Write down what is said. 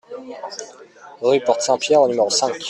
Rue Porte Saint-Pierre au numéro cinq